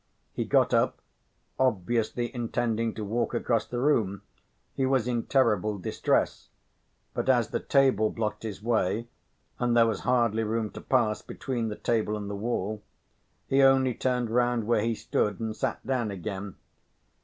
He got up, obviously intending to walk across the room. He was in terrible distress. But as the table blocked his way, and there was hardly room to pass between the table and the wall, he only turned round where he stood and sat down again.